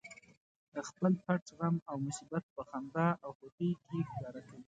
خپل پټ غم او مصیبت په خندا او خوښۍ کې ښکاره کوي